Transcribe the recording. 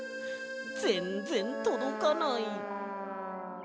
ぜんぜんとどかない。